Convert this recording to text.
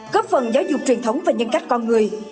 góp phần giáo dục truyền thống và nhân cách con người